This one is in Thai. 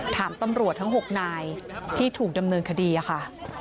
ถามตำรวจทั้ง๖นายที่ถูกดำเนินคดีค่ะ